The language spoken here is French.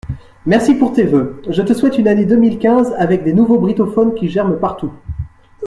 Merci pour tes vœux, je te souhaite une année deux mille quinze avec des nouveaux brittophones qui germent partout.